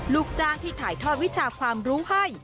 ลูกจ้างที่ถ่ายทอดวิชาความรู้ให้